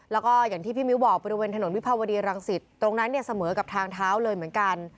แล้วก็อย่างที่พี่มิ้วบอกบริเวณถนนวิภาวดีรังสิตตรงนั้นเนี่ยเสมอกับทางเท้าเลยเหมือนกัน